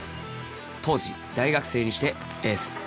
当時大学生にしてエース